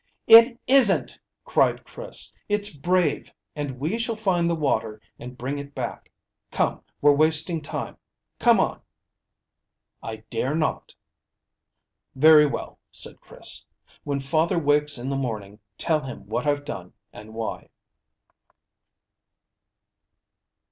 "It isn't," cried Chris; "it's brave, and we shall find the water and bring it back. Come, we're wasting time. Come on." "I dare not." "Very well," said Chris. "When father wakes in the morning, tell him what I've done, and why."